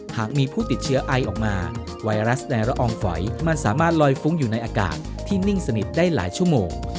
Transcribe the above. หากมีผู้ติดเชื้อไอออกมาไวรัสในละอองฝอยมันสามารถลอยฟุ้งอยู่ในอากาศที่นิ่งสนิทได้หลายชั่วโมง